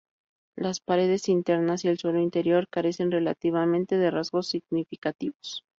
Las paredes internas y el suelo interior carecen relativamente de rasgos significativos.